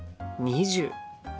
２０。